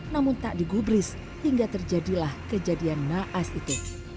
namun tak digubris hingga terjadilah kejadian naas itu